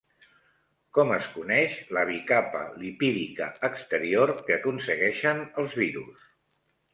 Com es coneix la bicapa lipídica exterior que aconsegueixen els virus?